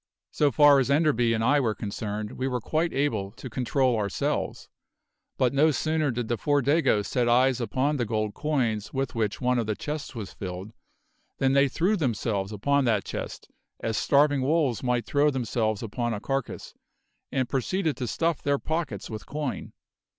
So far as Enderby and I were concerned we were quite able to control ourselves; but no sooner did the four Dagoes set eyes upon the gold coins with which one of the chests was filled than they threw themselves upon that chest, as starving wolves might throw themselves upon a carcass, and proceeded to stuff their pockets with coin.